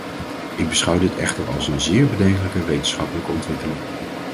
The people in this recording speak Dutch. Ik beschouw dit echter als een zeer bedenkelijke wetenschappelijke ontwikkeling.